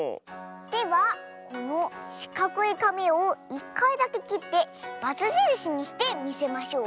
ではこのしかくいかみを１かいだけきってバツじるしにしてみせましょう。